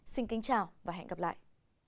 xin kính chào và hẹn gặp lại